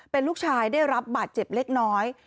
เป็นลูกชายได้รับบาดเจ็บเล็กน้อย